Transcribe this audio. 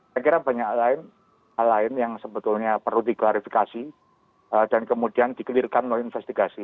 saya kira banyak hal lain hal lain yang sebetulnya perlu diglarifikasi dan kemudian dikelirkan no investigasi